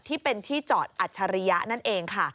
ที่เป็นที่จอดอัจฉริยะนั่นเองค่ะ